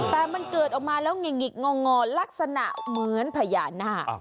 แต่มันเกิดออกมาแล้วหงิกงอลักษณะเหมือนพญานาค